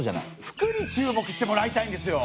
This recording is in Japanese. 服に注目してもらいたいんですよ！